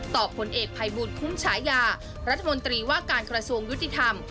ผลเอกภัยบูลคุ้มฉายารัฐมนตรีว่าการกระทรวงยุติธรรม